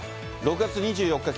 ６月２４日